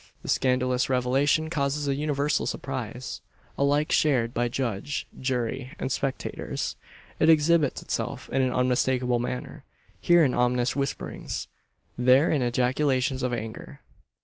The scandalous revelation causes a universal surprise alike shared by judge, jury, and spectators. It exhibits itself in an unmistakable manner here in ominous whisperings, there in ejaculations of anger.